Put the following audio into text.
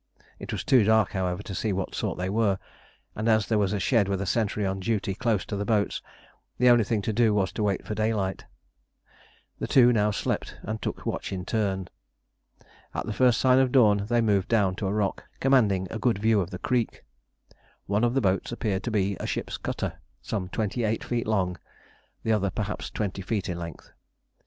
It was too dark, however, to see of what sort they were, and as there was a shed with a sentry on duty close to the boats, the only thing to do was to wait for daylight. The two now slept and took watch in turn. At the first sign of dawn they moved down to a rock, commanding a good view of the creek. One of the boats appeared to be a ship's cutter, some twenty eight feet long, the other perhaps twenty feet in length.